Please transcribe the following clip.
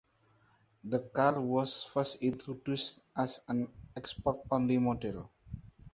The car was first introduced as an export only model.